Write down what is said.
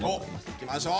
いきましょう！